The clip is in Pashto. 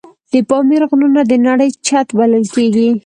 د پامیر غرونه د نړۍ چت بلل کېږي.